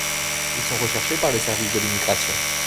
Ils sont recherchés par les services de l'immigration.